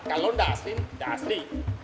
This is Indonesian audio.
kalau gak asli gak asli